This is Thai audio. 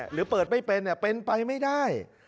หรือเปิดไม่เป็นเป็นไปไม่ได้